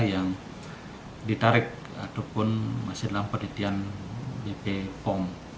yang ditarik ataupun masih dalam penelitian bpom